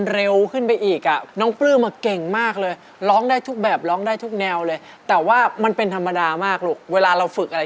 เราต้องฝึกมันเยอะเยอะเยอะกันไป